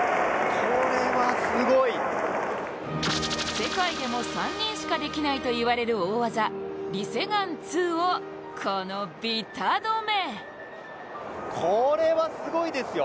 世界でも３人しかできないといわれる大技、リセグァン２を、このビタ止め。